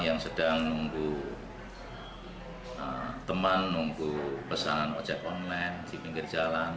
yang sedang nunggu teman nunggu pesanan ojek online di pinggir jalan